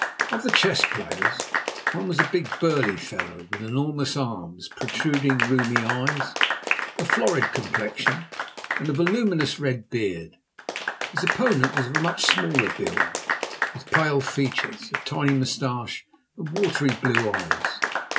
Of the chess players, one was a big, burly fellow, with enormous arms, protruding rheumy eyes, a florid complexion, and a voluminous red beard. His opponent was of a much smaller build, with pale features, a tiny moustache, and watery blue eyes.